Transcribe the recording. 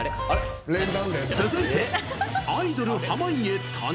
続いて。